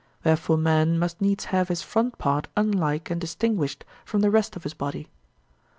Wherefore man must needs have his front part unlike and distinguished from the rest of his body.